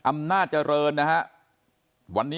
อำนาจเจริญนะฮะ